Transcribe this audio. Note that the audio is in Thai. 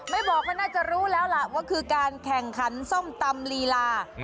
บอกว่าน่าจะรู้แล้วล่ะว่าคือการแข่งขันส้มตำลีลา